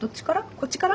こっちから？